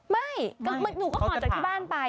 ไม่หนูก็ขอจากที่บ้านไป